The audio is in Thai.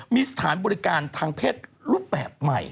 มีสถานบริการทางเพศรูปแบบใหม่